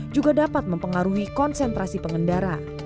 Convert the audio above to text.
juga dapat mempengaruhi konsentrasi pengendara